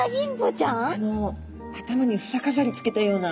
頭に房飾りつけたような。